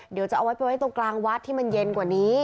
เดี๋ยวจะเอาไว้ไปไว้ตรงกลางวัดที่มันเย็นกว่านี้